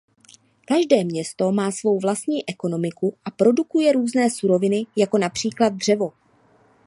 Každé město má svou vlastní ekonomiku a produkuje různé suroviny jako například dřevo.